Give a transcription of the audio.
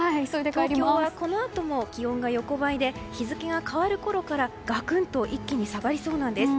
東京はこのあとも気温が横ばいで日付が変わるころから、がくんと一気に下がりそうなんです。